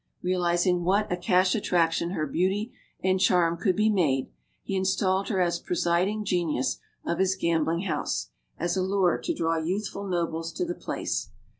Realizing what a cash attraction her beauty and charm could be made, he installed her as presiding genius of his gambling house, as a lure to draw youthful nobles to the place.